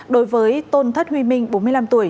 đối với tôn thất huy minh bốn mươi năm tuổi